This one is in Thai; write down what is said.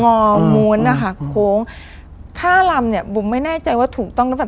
งอมวนนะคะโค้งถ้าลำเนี้ยผมไม่แน่ใจว่าถูกต้องนะครับ